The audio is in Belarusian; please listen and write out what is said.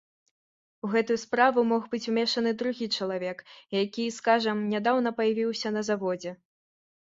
У гэтую справу мог быць умешаны другі чалавек, які, скажам, нядаўна паявіўся на заводзе.